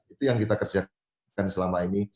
itu yang kita kerjakan selama ini